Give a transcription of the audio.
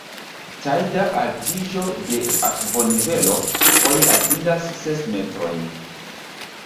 Tajda altiĝo de akvonivelo foje atingas ses metrojn.